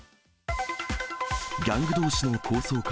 ギャングどうしの抗争か？